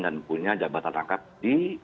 dan punya jabatan angkat di